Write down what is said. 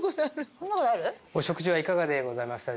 お食事はいかがでございましたでしょうか。